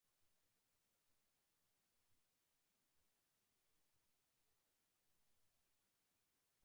The interior is notable for the fine hammerbeam roof to the ticket hall.